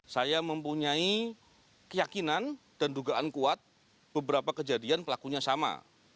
saya mempunyai keyakinan dan dugaan kuat beberapa kejadian pelakunya sama